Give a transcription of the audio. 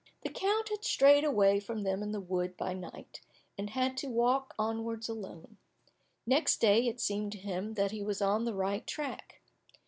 The count had strayed away from them in the wood by night, and had to walk onwards alone. Next day it seemed to him that he was on the right track.